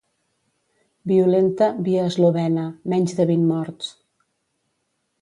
“violenta” via eslovena: menys de vint morts.